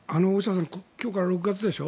今日から６月でしょ。